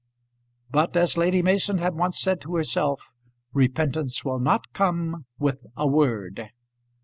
But, as Lady Mason had once said to herself, repentance will not come with a word.